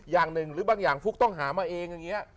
อย่างหนึ่งหรือบางอย่างฟุ๊กต้องหามาเองอย่างนี้